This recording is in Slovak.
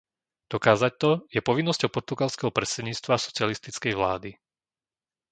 Dokázať to je povinnosťou portugalského predsedníctva socialistickej vlády.